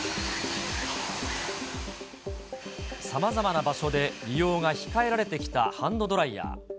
さまざまな場所で利用が控えられてきたハンドドライヤー。